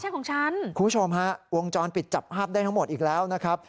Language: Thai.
คุณผู้ชมฮะวงจรปิดจับห้าบได้ทั้งหมดอีกแล้วนะครับ